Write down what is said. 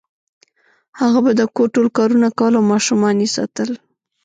هغه به د کور ټول کارونه کول او ماشومان یې ساتل